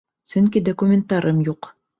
Сөнки документтарым юҡ.